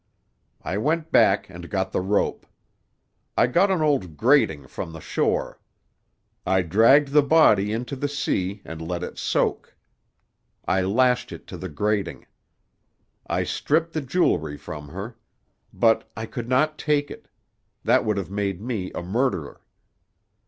"I went back and got the rope. I got an old grating from the shore. I dragged the body into the sea and let it soak. I lashed it to the grating. I stripped the jewelry from her. But I could not take it. That would have made me a murderer.